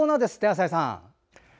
浅井さん。